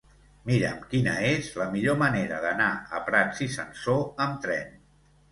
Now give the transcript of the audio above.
Mira'm quina és la millor manera d'anar a Prats i Sansor amb tren.